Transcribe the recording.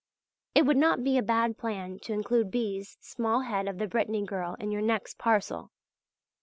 It would not be a bad plan to include B.'s small head of the Brittany girl in your next parcel.